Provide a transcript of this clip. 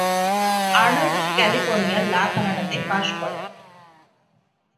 Arnold ক্যালিফোর্নিয়ার লা কানাডাতে বাস করেন।